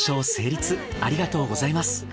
ありがとうございます。